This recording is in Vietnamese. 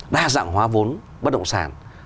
đa dạng hóa vốn bất động sản